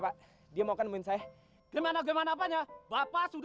hah itu karena gue nggak sabar